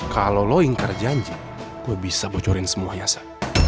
kalau lo ingkar janji gua bisa bocorin semuanya sa